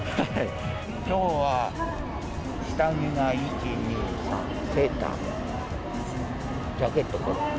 きょうは下着が１、２、３、セーター、ジャケット、これ。